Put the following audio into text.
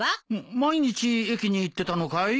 毎日駅に行ってたのかい？